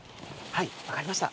はい分かりました。